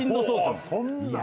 ほうそんな。